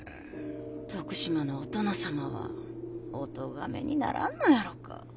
徳島のお殿様はお咎めにならんのやろか？